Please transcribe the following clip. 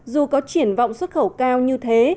dù có triển vọng xuất khẩu cao như thế